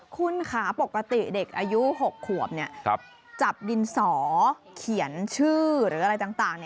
คุณค่ะปกติเด็กอายุ๖ขวบจับดินสอเขียนชื่อหรืออะไรต่าง